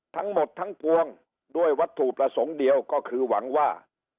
ทั้งหมดทั้งปวงด้วยวัตถุประสงค์เดียวก็คือหวังว่า